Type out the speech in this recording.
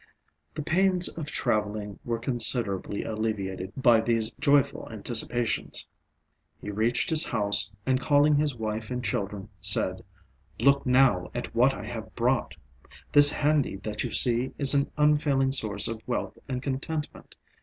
The pains of travelling were considerably alleviated by these joyful anticipations. He reached his house, and calling his wife and children, said "Look now at what I have brought. This handi that you see is an unfailing source of wealth and contentment.